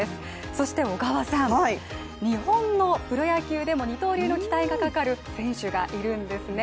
そして日本のプロ野球でも二刀流の期待がかかる選手がいるんですね。